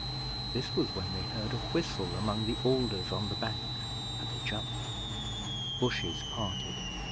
This was when they heard a whistle among the alders on the bank, and they jumped. The bushes parted.